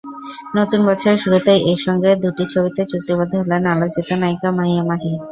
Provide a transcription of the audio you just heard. নতুন বছরের শুরুতেই একসঙ্গে দুটি ছবিতে চুক্তিবদ্ধ হলেন আলোচিত নায়িকা মাহিয়া মাহি।